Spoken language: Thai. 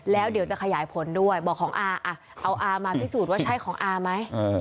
แล้วเดี๋ยวจะขยายผลด้วยบอกของอาเอาอามาพิสูจน์ว่าใช่ของอาไหม